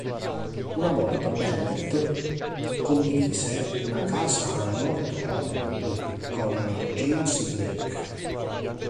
Una volta Bennett condivise una casa a North Hollywood con James Blake.